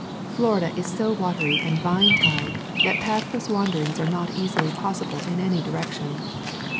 _ Florida is so watery and vine tied that path less wanderings are not easily possible in any direction.